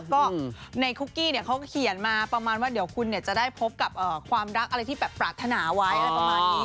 ก็ในคุกกี้เขาเขียนมาประมาณว่าเดี๋ยวคุณจะได้พบกับความรักอะไรที่แบบปรารถนาไว้อะไรประมาณนี้